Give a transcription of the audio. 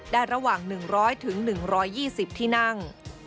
ได้ระหว่าง๑๐๐ถึง๑๒๐ที่นั่ง